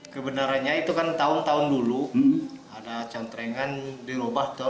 kebenarannya itu kan tahun tahun dulu ada cantrengan di robah tahun dua ribu delapan belas